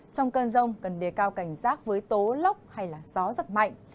trong cơn rông cần đề cao cảnh rác với tố lốc hay là gió rất mạnh